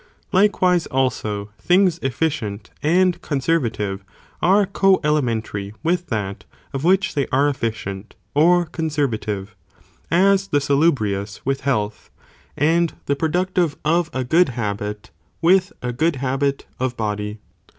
Likewise, also, things efficient, and con servative, are co elementary with that, of which they are efficient, or conservative, as the salubri ous, with health, and the productive of a good In the same habit, with a good habit, of body.